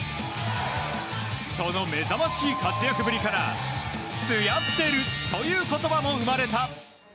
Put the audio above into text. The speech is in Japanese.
その目覚ましい活躍ぶりから津屋ってるという言葉も生まれた。